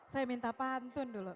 saya minta pantun dulu